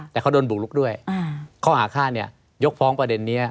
แต่เขาโดนบุกลุกด้วยข้อหาฆ่าเนี่ยยกฟ้องประเด็นนี้